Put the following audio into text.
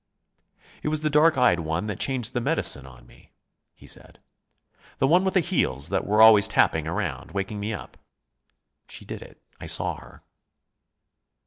"It was the dark eyed one that changed the medicine on me," he said. "The one with the heels that were always tapping around, waking me up. She did it; I saw her."